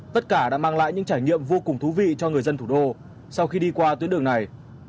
tất cả đã mang lại những trải nghiệm vô cùng thú vị cho người dân thủ đô sau khi đi qua tuyến đường này